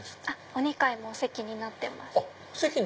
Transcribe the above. お２階もお席になってます。